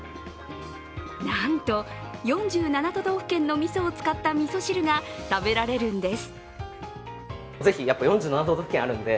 なんと４７都道府県のみそを使ったみそ汁が食べられるんです。